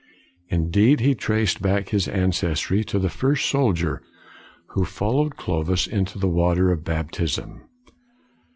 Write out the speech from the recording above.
Indeed, he traced back his ancestry to the first soldier who followed Clovis into the water of baptism.